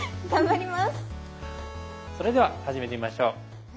それでは始めてみましょう。